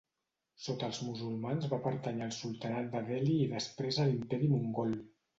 Sota els musulmans va pertànyer al sultanat de Delhi i després a l'Imperi Mogol.